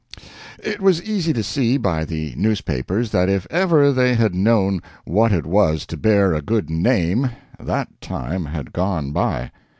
It was easy to see by the newspapers that if ever they had known what it was to bear a good name, that time had gone by.